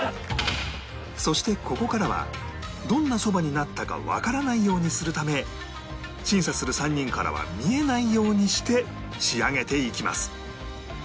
そしてここからはどんなそばになったかわからないようにするため審査する３人からは見えないようにして仕上げていきます